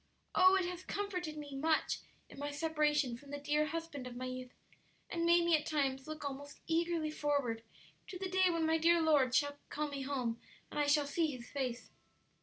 Oh, it has comforted me much in my separation from the dear husband of my youth, and made me at times look almost eagerly forward to the day when my dear Lord shall call me home and I shall see His face!"